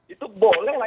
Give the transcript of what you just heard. itu boleh lah